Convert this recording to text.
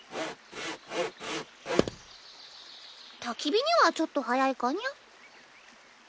たき火にはちょっと早いかにゃ？